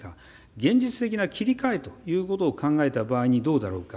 現実的な切り替えということを考えた場合にどうだろうか。